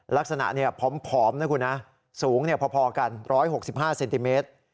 ลักษณะเนี่ยผอมนะคุณนะสูงเนี่ยพอกัน๑๖๕เซนติเมตร